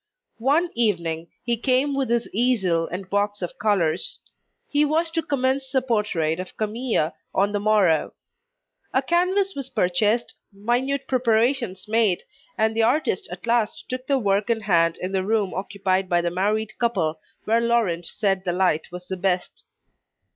One evening, he came with his easel and box of colours. He was to commence the portrait of Camille on the morrow. A canvas was purchased, minute preparations made, and the artist at last took the work in hand in the room occupied by the married couple, where Laurent said the light was the best.